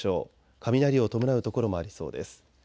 雷を伴う所もありそうです。